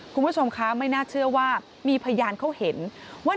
คุณผู้ชมคะไม่น่าเชื่อว่ามีพยานเขาเห็นว่า